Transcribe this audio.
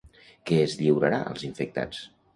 Què es lliurarà als infectats?